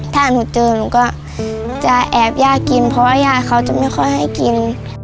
ถ้าหนูเจอหนูก็จะแอบย่ากินเพราะว่าย่าเขาจะไม่ค่อยให้กิน